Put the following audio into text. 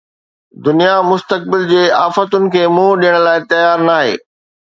دنيا مستقبل جي آفتن کي منهن ڏيڻ لاءِ تيار ناهي